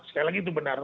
sekali lagi itu benar